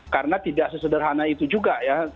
karena tidak sesederhana itu juga ya